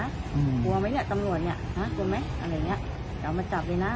กลัวไหมเนี่ยตำรวจเนี่ยนะกลัวไหมอะไรอย่างเงี้ยเดี๋ยวเอามาจับเลยนะ